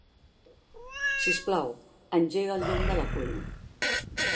Sisplau, engega el llum de la cuina.